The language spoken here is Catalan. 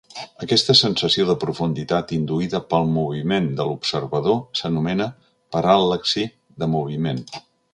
Aquesta sensació de profunditat induïda pel moviment de l'observador s'anomena paral·laxi de moviment.